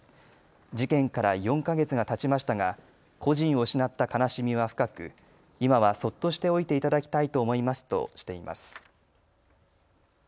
事件から４か月がたちましたが故人を失った悲しみは深く今はそっとしておいていただきたいと思いますとしています。